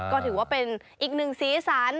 ก็ถือว่าเป็นอีกหนึ่งสีสัน